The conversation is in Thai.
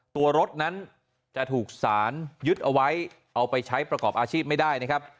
ตัวรถนั้นจะถูกสารยึดเอาไว้เอาไปใช้ประกอบอาชีพไม่ได้นะครับ